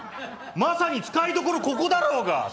まさに使いどころここだろうが！